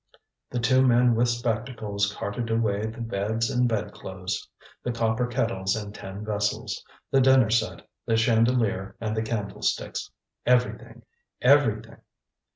The two men with spectacles carted away the beds and bedclothes; the copper kettles and tin vessels; the dinner set, the chandelier and the candlesticks; everything, everything!